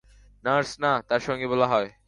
Nurse না, তার সঙ্গী বলা যায়!